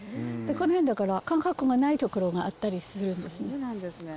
この辺だから感覚がない所があったりするんですね。